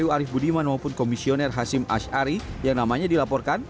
kpu arief budiman maupun komisioner hasim ash'ari yang namanya dilaporkan